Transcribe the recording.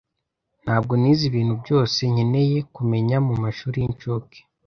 Ntabwo nize ibintu byose nkeneye kumenya mumashuri y'incuke.